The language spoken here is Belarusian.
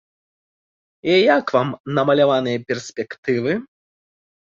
І як вам намаляваныя перспектывы?